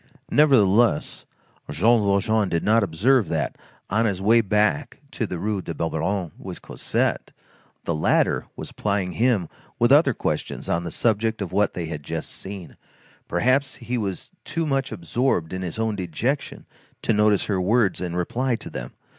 Nevertheless, Jean Valjean did not observe that, on his way back to the Rue de Babylone with Cosette, the latter was plying him with other questions on the subject of what they had just seen; perhaps he was too much absorbed in his own dejection to notice her words and reply to them.